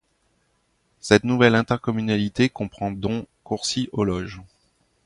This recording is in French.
Cette nouvelle intercommunalité comprend dont Courcy-aux-Loges.